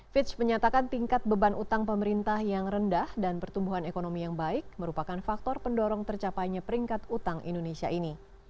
fitch menyatakan tingkat beban utang pemerintah yang rendah dan pertumbuhan ekonomi yang baik merupakan faktor pendorong tercapainya peringkat utang indonesia ini